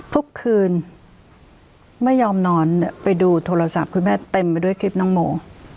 ทุกคืนไม่ยอมนอนไปดูโทรศัพท์คุณแม่เต็มไปด้วยคลิปน้องโม